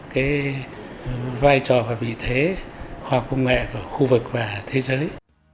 cái vai trò và vị thế khoa công nghệ của khu vực và thế giới